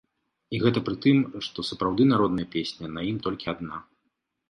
І гэта пры тым, што сапраўды народная песня на ім толькі адна.